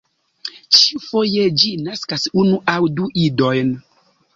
Ĉiufoje ĝi naskas unu aŭ du idojn.